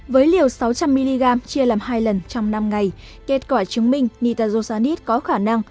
với liều sáu trăm linh mg chia làm hai lần trong năm ngày kết quả chứng minh nitajosanis có khả năng